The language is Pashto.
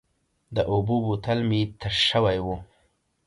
د اوبو بوتل مې تش شوی و.